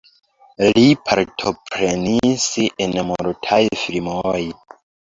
Li partoprenis en multaj filmoj.